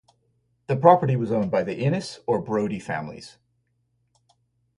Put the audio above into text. The property was owned by the Innes or Brodie families.